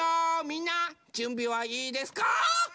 みんなじゅんびはいいですか？